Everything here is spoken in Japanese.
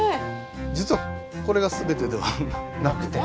実はこれが全てではなくて。